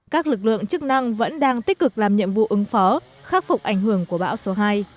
các lực lượng chức năng vẫn đang tích cực làm nhiệm vụ ứng phó khắc phục ảnh hưởng của bão số hai